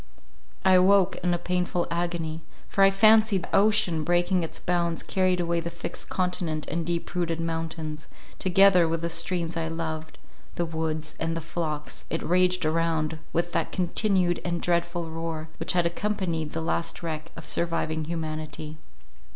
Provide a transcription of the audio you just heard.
I awoke in a painful agony—for I fancied that ocean, breaking its bounds, carried away the fixed continent and deep rooted mountains, together with the streams I loved, the woods, and the flocks—it raged around, with that continued and dreadful roar which had accompanied the last wreck of surviving humanity.